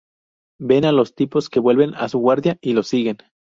Ven a los tipos que vuelven a su guarida y los siguen.